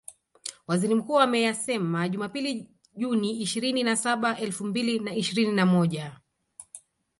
Waziri Mkuu ameyasema Jumapili Juni ishirini na saba elfu mbili na ishirini na moja